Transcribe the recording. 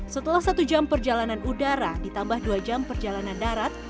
setelah satu jam perjalanan udara ditambah dua jam perjalanan darat